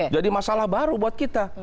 jadi masalah baru buat kita